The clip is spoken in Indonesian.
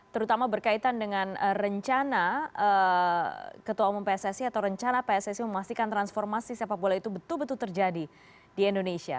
terutama berkaitan dengan rencana ketua umum pssi atau rencana pssi memastikan transformasi sepak bola itu betul betul terjadi di indonesia